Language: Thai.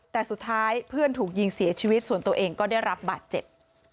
แต่สุดท้ายเพื่อนถูกยิงเสียชีวิตส่วนตัวเองก็ได้รับบาดเจ็บ